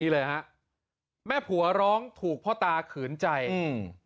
เลยฮะแม่ผัวร้องถูกพ่อตาขืนใจอืม